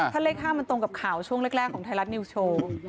ถ้าเลข๕มันตรงกับข่าวช่วงแรกของไทยรัฐนิวโชว์